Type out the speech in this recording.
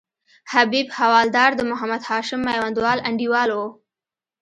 حبیب حوالدار د محمد هاشم میوندوال انډیوال وو.